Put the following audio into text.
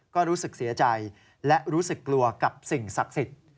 ก็รู้สึกเสียใจและรู้สึกกลัวกับสิ่งศักดิ์สิทธิ์